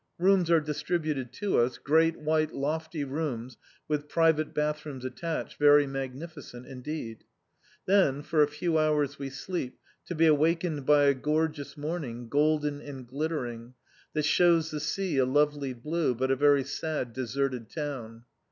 Rooms are distributed to us, great white lofty rooms with private bathrooms attached, very magnificent indeed. Then, for a few hours we sleep, to be awakened by a gorgeous morning, golden and glittering, that shews the sea a lovely blue, but a very sad deserted town.